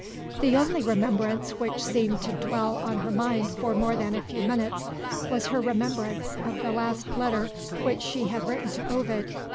The only remembrance which seemed to dwell on her mind for more than a few minutes, was her remembrance of the last letter which she had written to Ovid.